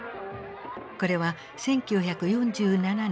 これは１９４７年